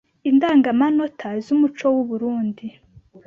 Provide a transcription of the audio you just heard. Indangamanota z’Umuco w’u Burunndi